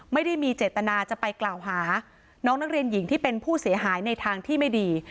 ไม่ได้มีเจตนาจะไปกล่าวหาน้องนักเรียนหญิงที่เป็นผู้เสียหายในทางที่ไม่ดี